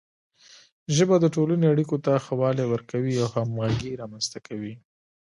ژبه د ټولنې اړیکو ته ښه والی ورکوي او همغږي رامنځته کوي.